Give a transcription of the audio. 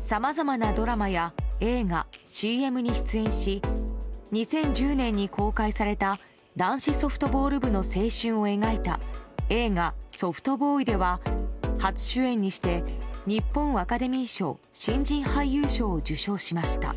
さまざまなドラマや映画ＣＭに出演し２０１０年に公開された男子ソフトボール部の青春を描いた映画「ソフトボーイ」では初主演にして日本アカデミー賞新人俳優賞を受賞しました。